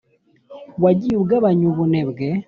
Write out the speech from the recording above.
Wagiye ugabanya ubune bwe